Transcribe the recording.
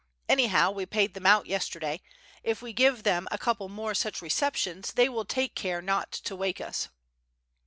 Anyhow we paid them out yesterday, if we give them a couple more such receptions they will take care not to wake us."